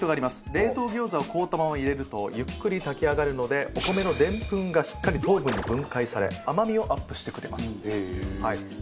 冷凍餃子を凍ったまま入れるとゆっくり炊き上がるのでお米のでんぷんがしっかり糖分に分解され甘みをアップしてくれます。